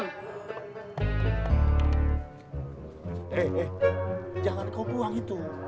hei eh jangan kau buang itu